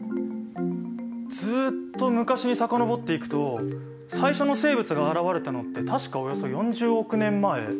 ずっと昔に遡っていくと最初の生物が現れたのって確かおよそ４０億年前。